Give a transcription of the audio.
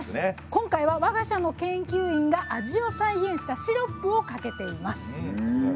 今回は我が社の研究員が味を再現したシロップをかけています。